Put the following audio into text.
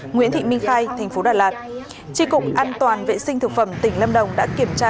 nguyễn thị minh khai thành phố đà lạt tri cục an toàn vệ sinh thực phẩm tỉnh lâm đồng đã kiểm tra